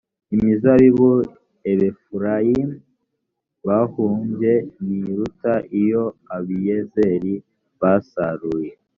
imizabibu abefurayimu bahumbye ntiruta iyo ababiyezeri basaruye